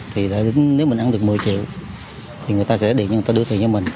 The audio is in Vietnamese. thì nếu mình ăn được một mươi triệu thì người ta sẽ để người ta đưa tiền cho mình